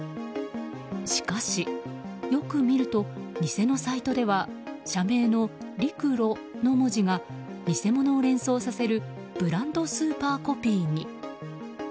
しかし、よく見ると偽のサイトでは社名のリクロの文字が偽物を連想させるブランドスーパーコピーに。